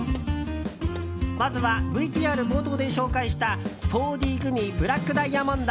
まずはＶＴＲ冒頭で紹介した４Ｄグミブラックダイヤモンド。